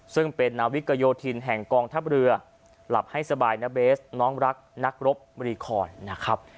ซึ่งเป็นนาวิกโยธินแห่งกองทัพเรือหลับให้สบายนะเบสน้องรักนักรบรีคอนนะครับ